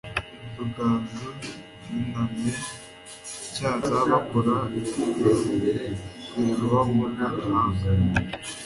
Rugaju yunamye acyatsa, bakora mu ivu biraba mu gahanga